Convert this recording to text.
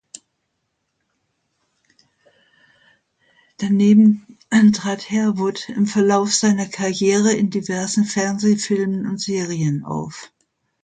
Daneben trat Harewood im Verlauf seiner Karriere in diversen Fernsehfilmen und -serien auf.